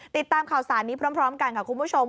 ติดตามข่าวสารนี้พร้อมกันค่ะคุณผู้ชม